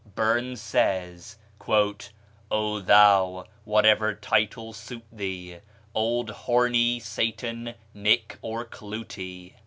Burns says: "O thou! whatever title suit thee, Auld Hornie, Satan, Nick, or Clootie."